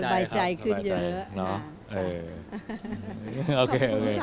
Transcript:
สบายใจค่ะสบายใจขึ้นเยอะ